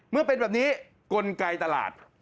เมื่อเป็นแบบนี้กลไกตลาด